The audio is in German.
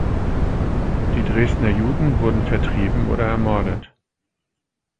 Die Dresdner Juden wurden vertrieben oder ermordet.